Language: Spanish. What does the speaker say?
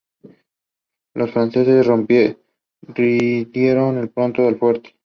Los franceses rindieron pronto el fuerte.